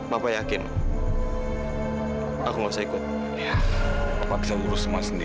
ktau ingin berjakak orang orang